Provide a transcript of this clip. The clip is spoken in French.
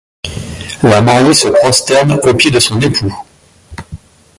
La mariée se prosterne aux pieds de son époux.